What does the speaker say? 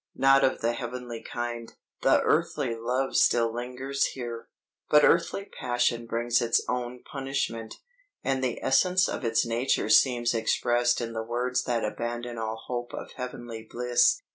Not of the heavenly kind, the earthly love still lingers here. But earthly passion brings its own punishment, and the essence of its nature seems expressed in the words that abandon all hope of heavenly bliss.